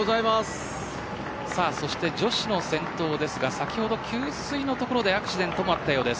女子の先頭は先ほど給水のところでアクシデントがあったようです。